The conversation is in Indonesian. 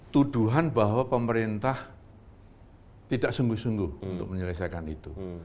tuduhan bahwa pemerintah tidak sungguh sungguh untuk menyelesaikan itu